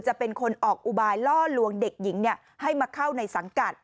จะเป็นคนออกอุบายล่อลวงเด็กหญิงให้มาเข้าในสังกัด